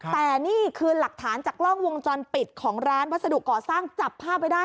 แต่นี่คือหลักฐานจากกล้องวงจรปิดของร้านวัสดุก่อสร้างจับภาพไว้ได้